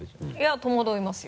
戸惑いますよ。